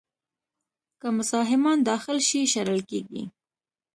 که مزاحمان داخل شي، شړل کېږي.